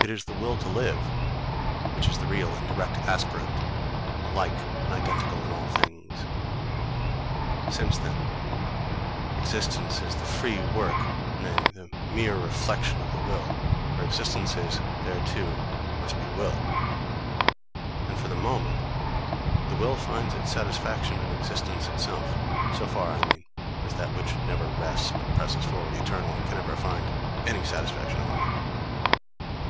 It is the Will to Live which is the real and direct aspirant alike and identical in all things. Since, then, existence is the free work, nay, the mere reflection of the will, where existence is, there, too, must be will; and for the moment the will finds its satisfaction in existence itself; so far, I mean, as that which never rests, but presses forward eternally, can ever find any satisfaction at all.